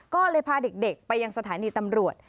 ก็เลยพาเด็กไปยังสถานีตำรวจ